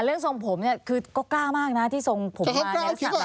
เรื่องส่งผมก็กล้ามากที่ส่งผมมา